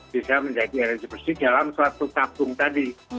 bisa menjadi energi bersih dalam suatu tabung tadi